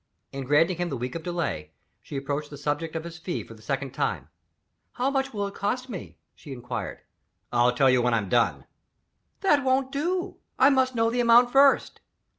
In granting him the week of delay, she approached the subject of his fee for the second time. "How much will it cost me?" she inquired. "I'll tell you when I've done." "That won't do! I must know the amount first."